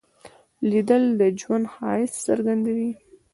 لیدل د ژوند ښایست څرګندوي